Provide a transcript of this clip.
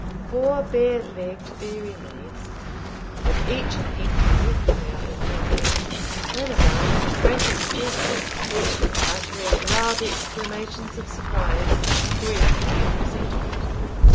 Four bare legged dairy maids, with each an empty milk pail in her hand, ran about with frantic gestures, and uttering loud exclamations of surprise, grief, and resentment.